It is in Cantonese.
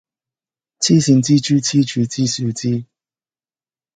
癡線蜘蛛痴住支樹枝